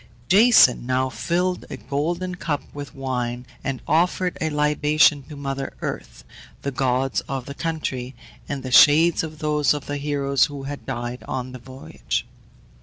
Jason now filled a golden cup with wine, and offered a libation to mother earth, the gods of the country, and the shades of those of the heroes who had died on the voyage.